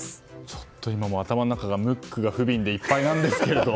ちょっと今も頭の中がムックが不憫でいっぱいなんですけど。